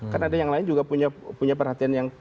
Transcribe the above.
karena ada yang lain juga punya perhatian yang